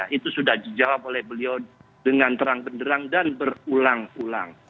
itu sudah dijawab oleh beliau dengan terang benderang dan berulang ulang